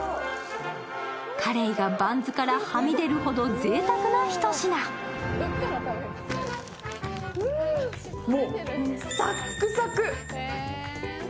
カレイがバンズからはみ出るほどぜいたくな一品。ということで丸ごと！！